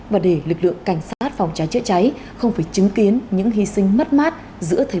và để lực lượng cảnh sát phòng cháy chữa cháy không phải chứng kiến những hy sinh mất mát giữa thời